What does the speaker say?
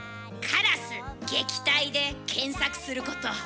「カラス撃退」で検索すること。